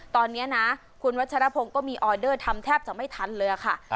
ตอนนี้นะคุณวัชรพงศ์ก็มีออเดอร์ทำแทบจะไม่ทันเลยค่ะ